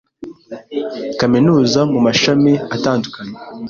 kaminuza mu mashami atandukanye